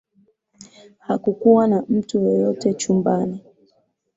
Hakukuwa na mtu yeyote chumbani